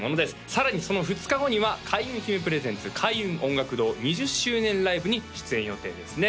さらにその２日後には開運姫プレゼンツ開運音楽堂２０周年ライブに出演予定ですね